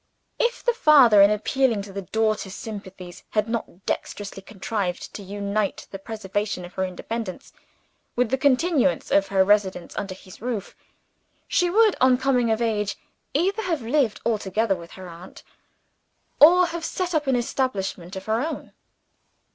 If the father, in appealing to the daughter's sympathies, had not dexterously contrived to unite the preservation of her independence with the continuance of her residence under his roof, she would, on coming of age, either have lived altogether with her aunt, or have set up an establishment of her own.